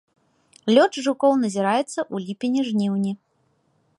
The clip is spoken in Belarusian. Лёт жукоў назіраецца ў ліпені-жніўні.